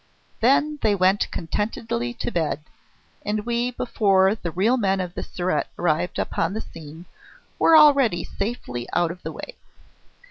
Then they went contentedly to bed, and we, before the real men of the Surete arrived upon the scene, were already safely out of the way.